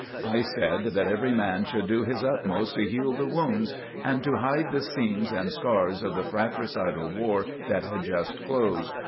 I said that every man should do his utmost to heal the wounds and to hide the seams and scars of the fratricidal war that had just closed.